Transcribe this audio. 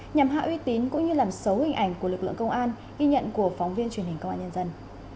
nhằm hạ uy tín cũng như làm xấu hình ảnh của lực lượng công an ghi nhận của phóng viên truyền hình công an nhân dân